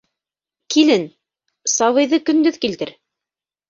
Килен, сабыйҙы көндөҙ килтер.